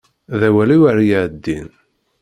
D awal-iw ara iɛeddin